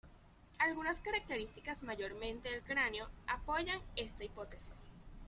Algunas características, mayormente del cráneo, apoyan esta hipótesis.